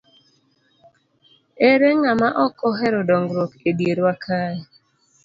Ere ng'ama ok ohero dongruok e dierwa kae?